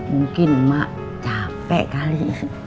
mungkin emak capek kali